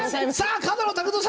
角野卓造さん